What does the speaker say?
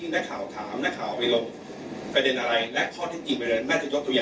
แล้วยกตัวอย่างเนี่ยมั่งไงครับ